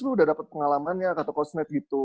lu udah dapet pengalamannya kata coach net gitu